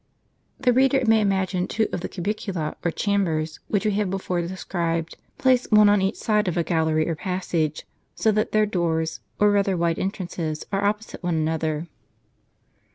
The reader may imagine two of the cuMcnla or chambers, which we have before described, placed one on each side of a gallery or passage, so that their doors, or rather wide entrances, are opposite one another.